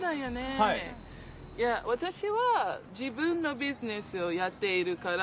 私は自分のビジネスをやっているから